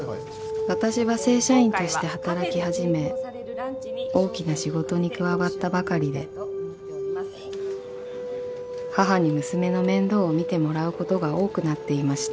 ［私は正社員として働き始め大きな仕事に加わったばかりで母に娘の面倒を見てもらうことが多くなっていました］